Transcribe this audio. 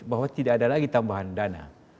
bahwa tidak ada lagi tambahan dana